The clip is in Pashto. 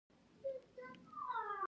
خوړل د خولې لپاره کار کوي